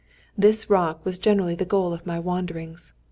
This rock was generally the goal of my wanderings.